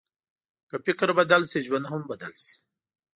که فکر بدل شي، ژوند هم بدل شي.